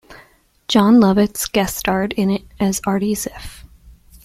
Jon Lovitz guest starred in it as Artie Ziff.